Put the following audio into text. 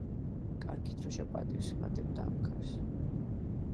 კარგი დროშა პატივს ჰმატებდა ამქარს.